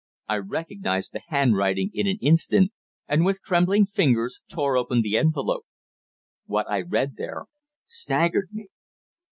I recognized the handwriting in an instant, and with trembling fingers tore open the envelope. What I read there staggered me.